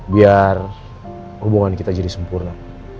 biar hubungan kita jadi sempurna